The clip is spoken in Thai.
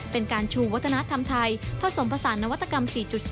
เป็นการชูวัฒนธรรมไทยผสมผสานนวัตกรรม๔๐